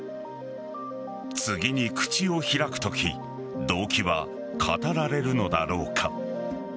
次に口を開くとき動機は語られるのだろうか。